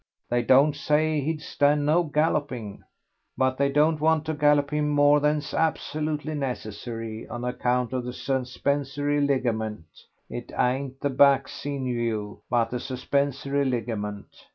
They don't say he'd stand no galloping, but they don't want to gallop him more than's absolutely necessary on account of the suspensory ligament; it ain't the back sinew, but the suspensory ligament.